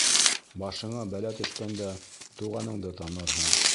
Башыңа бәлә төшкәндә туғаныңды танырһың.